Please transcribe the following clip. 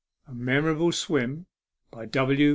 A MEMORABLE SWIM. BY W.